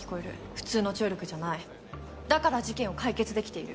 普通の聴力じゃないだから事件を解決できている。